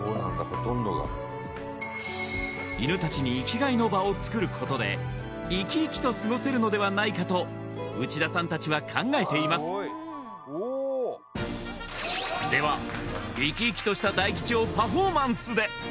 ほとんどが犬たちに生きがいの場をつくることでイキイキと過ごせるのではないかと内田さんたちは考えていますではイキイキとした大吉をパフォーマンスで！